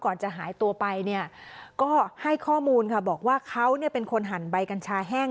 ก่อนหายตัวไปก็ให้ข้อมูลบอกว่าเค้าเป็นคนหั่นใบกัญชาแห้ง